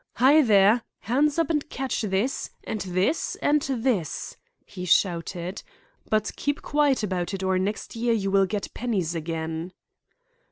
Hi, there! Hands up and catch this, and this, and this!" he shouted. "But keep quiet about it or next year you will get pennies again."